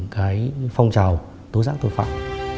cái phong trào tối giãn tội phạm